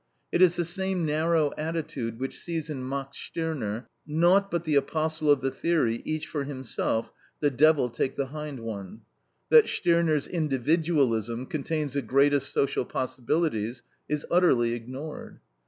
It is the same narrow attitude which sees in Max Stirner naught but the apostle of the theory "each for himself, the devil take the hind one." That Stirner's individualism contains the greatest social possibilities is utterly ignored.